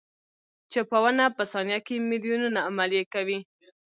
چپونه په ثانیه کې میلیونونه عملیې کوي.